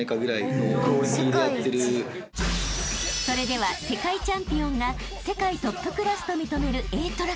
［それでは世界チャンピオンが世界トップクラスと認める］